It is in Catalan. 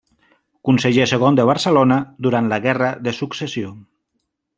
Conseller segon de Barcelona durant la Guerra de Successió.